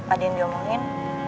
ada yang diomongin